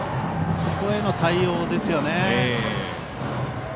そこへの対応ですよね。